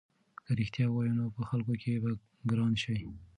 که رښتیا ووایې نو په خلکو کې به ګران شې.